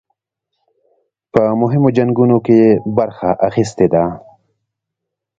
په مهمو جنګونو کې یې برخه اخیستې ده.